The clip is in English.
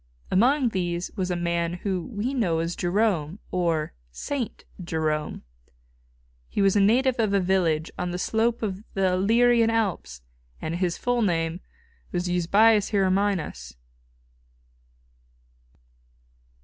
Among these was a man whom we know as Jerome, or Saint Jerome. He was a native of a village on the slope of the Illyrian Alps, and his full name was Eusebius Hieronymus.